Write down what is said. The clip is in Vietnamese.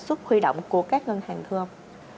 suất khuy động của các ngân hàng thưa ông